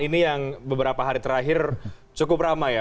ini yang beberapa hari terakhir cukup ramai ya